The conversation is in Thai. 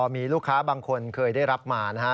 มีลูกค้าบางคนเคยได้รับมานะฮะ